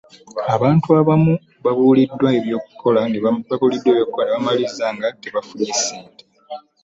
abantu abamu babuliddwa ebyokukola ne bammaliriza nga tebafunye ssente.